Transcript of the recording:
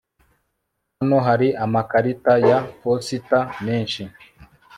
hano hari amakarita ya posita menshi